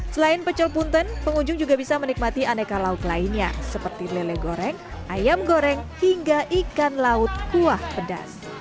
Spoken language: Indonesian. selain pecel punten pengunjung juga bisa menikmati aneka lauk lainnya seperti lele goreng ayam goreng hingga ikan laut kuah pedas